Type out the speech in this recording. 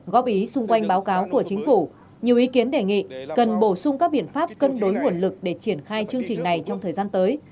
góp ý xung quanh báo cáo của chính phủ nhiều ý kiến đề nghị cần bổ sung các biện pháp cân đối nguồn lực để triển khai chương trình này trong thời gian tới